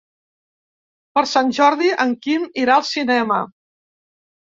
Per Sant Jordi en Quim irà al cinema.